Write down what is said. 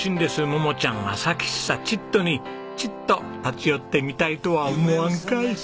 桃ちゃん朝喫茶ちっとにちっと立ち寄ってみたいとは思わんかい？